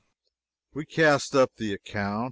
We cast up the account.